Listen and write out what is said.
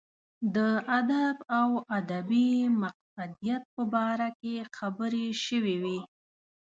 د ادب او ادبي مقصدیت په باره کې خبرې شوې وې.